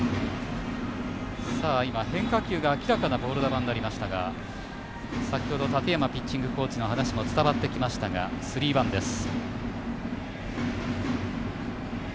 変化球が明らかなボール球になりましたが先ほど建山ピッチングコーチの話も伝わってきましたがスリーワンです。